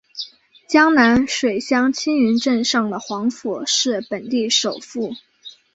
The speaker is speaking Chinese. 江南水乡青云镇上的黄府是本地首富。